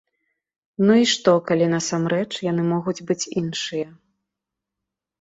Ну і што, калі насамрэч яны могуць быць іншыя.